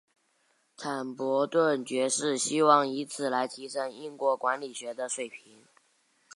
坦伯顿爵士希望以此来提升英国管理学的水平。